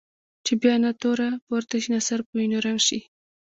چې بیا نه توره پورته شي نه سر په وینو رنګ شي.